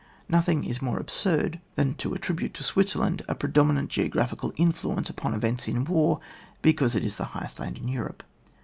Nothing is more absurd than to attribute to Switzerland a predominant geographi cal influence upon events in war because it is the highest land in Europe.